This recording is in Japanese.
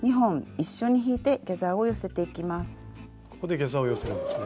ここでギャザーを寄せるんですね。